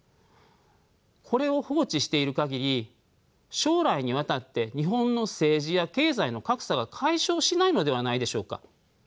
これを放置している限り将来にわたって日本の政治や経済の格差が解消しないのではないでしょうか。